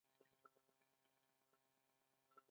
خو پر وړو مامورینو پسې یې راخیستې ده.